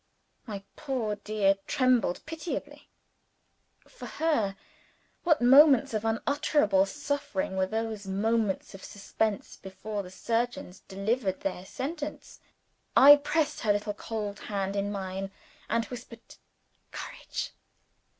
My poor dear trembled pitiably. For her, what moments of unutterable suffering were those moments of suspense, before the surgeons delivered their sentence! I pressed her little cold hand in mine, and whispered "Courage!"